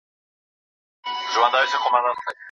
څنګه پلان جوړېږي؟